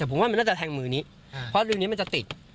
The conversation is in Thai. แต่ผมว่ามันน่าจะแทงมือนี้เพราะฤดูนี้มันจะติด